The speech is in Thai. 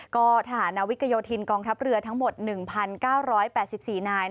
ก็ทหารนาวิกโยธินกองทัพเรือทั้งหมด๑๙๘๔นาย